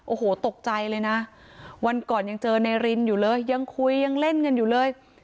โอ้โหตกใจเลยนะวันก่อนยังเจอนายรินอยู่เลยยังคุยยังเล่นกันอยู่เลย